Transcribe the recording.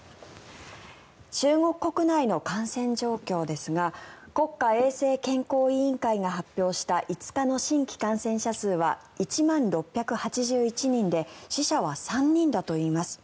中国国内の感染状況ですが国家衛生健康委員会が発表した５日の新規感染者数は１万６８１人で死者は３人だといいます。